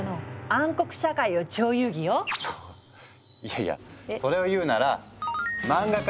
そいやいやそれを言うならそっか！